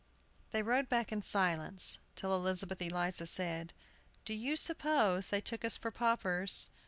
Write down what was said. They rode back in silence, till Elizabeth Eliza said, "Do you suppose they took us for paupers?"